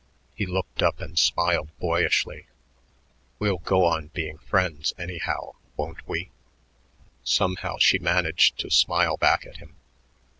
He looked up and smiled boyishly. "We'll go on being friends anyhow, won't we?" Somehow she managed to smile back at him.